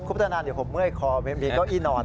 คุณพัฒนานเดี๋ยวผมเมื่อยคอเบนเบนก็อีนอน